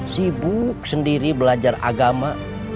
sibuk sendiri belajar agama